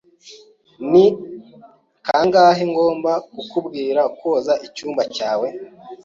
Ni kangahe ngomba kukubwira koza icyumba cyawe?